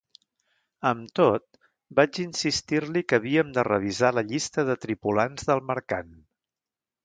Amb tot, vaig insistir-li que havíem de revisar la llista de tripulants del mercant.